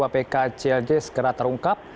pk clj segera terungkap